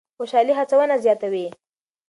خوشالي هڅونه زیاتوي.